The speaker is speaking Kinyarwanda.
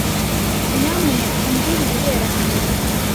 Nyamuneka umbwire ibibera hano.